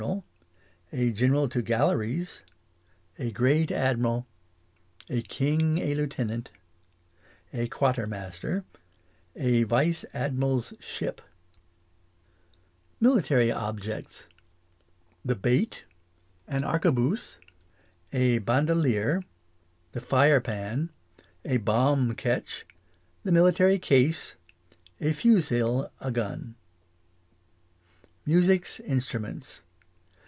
Degrees. A general to galeries A great admiral A king a lieutenant A quater master A vice admiral's ship i6 English as she is spoke. Military objects. The bait. An arquebuse A bandoleer The fire pan A bomb ketch The military case A fusil, a gun. Music's instruments.